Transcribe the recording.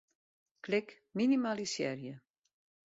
Klik Minimalisearje.